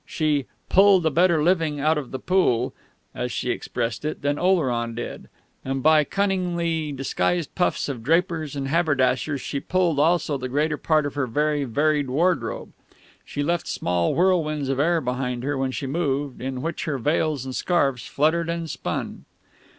She "pulled a better living out of the pool" (as she expressed it) than Oleron did; and by cunningly disguised puffs of drapers and haberdashers she "pulled" also the greater part of her very varied wardrobe. She left small whirlwinds of air behind her when she moved, in which her veils and scarves fluttered and spun.